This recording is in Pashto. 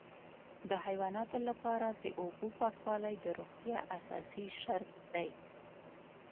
د حیواناتو لپاره د اوبو پاکوالی د روغتیا اساسي شرط دی.